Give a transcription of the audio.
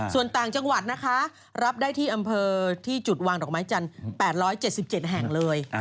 ส่วนต่างจังหวัดนะคะรับได้ที่อำเภอที่จุดวางดอกไม้จันทร์๘๗๗แห่งเลย